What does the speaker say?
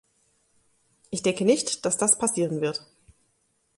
Ich denke nicht, dass das passieren wird.